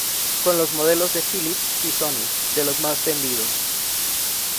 Con los modelos de Philips y Sony, de los más vendidos.